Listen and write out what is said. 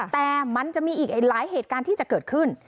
แต่มันจะมีอีกหลายเหตุการณ์ที่จะเกิดขึ้น